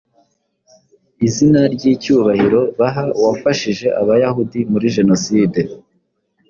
izina ry'icyubahiro baha uwafashije Abayahudi muri jenoside.